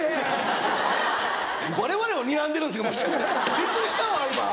びっくりしたわ今。